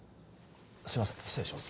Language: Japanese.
すいません失礼します